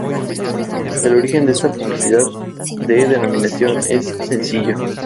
El origen de esta duplicidad de denominación es sencillo.